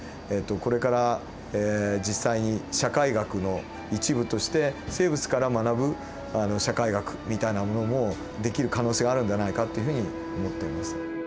これから実際に社会学の一部として生物から学ぶ社会学みたいなものも出来る可能性があるんではないかっていうふうに思っています。